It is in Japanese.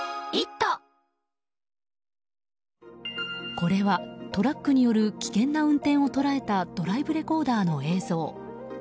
これはトラックによる危険な運転を捉えたドライブレコーダーの映像。